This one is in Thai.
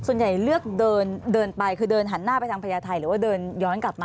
เลือกเดินไปคือเดินหันหน้าไปทางพญาไทยหรือว่าเดินย้อนกลับมา